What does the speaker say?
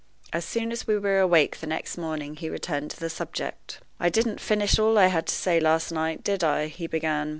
As soon as we were awake the next morning he returned to the subject. "I didn't finish all I had to say last night, did I?" he began.